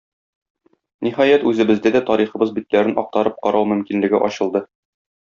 Ниһаять, үзебездә дә тарихыбыз битләрен актарып карау мөмкинлеге ачылды.